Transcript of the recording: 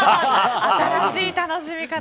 新しい楽しみ方。